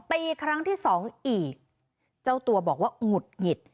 ตีครั้งที่สองอีกเจ้าตัวบอกว่าหงุดหงิด